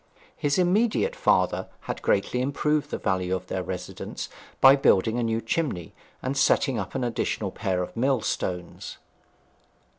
His immediate father had greatly improved the value of their residence by building a new chimney, and setting up an additional pair of millstones.